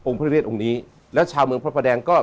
องค์พระพิกเรศองค์นี้แล้วชาวเมืองพระพระแดงก็